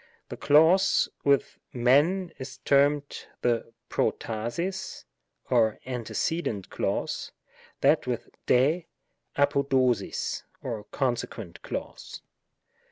The clause with fisvy is termed the Protasis, or antecedent clause ; that with 8s y the Apo dosis, or consequent clause.